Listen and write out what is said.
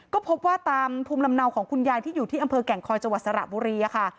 ก็พบว่าตามภูมิลำเนาของคุณยายที่อยู่ที่อำเภอแก่งคอยจังหวัดสระบุรีค่ะ